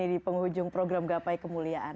di penghujung program gapai kemuliaan